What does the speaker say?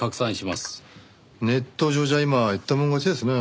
ネット上じゃ今は言ったもん勝ちですね。